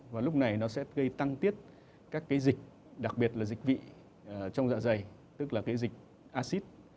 và lúc này nó sẽ gây tăng tiết các cái dịch đặc biệt là dịch vị trong dạ dày tức là cái dịch acid